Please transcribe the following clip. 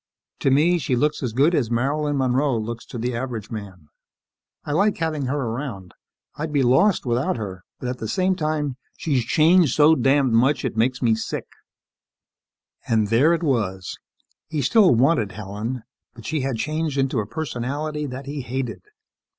To me, she looks as good as Marilyn Monroe looks to the average man. I like having her around. I'd be lost without her, but at the same time, she's changed so damned much, she makes me sick." And there it was. He still wanted Helen but she had changed into a personality that he hated.